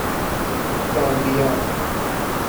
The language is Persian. گامبیا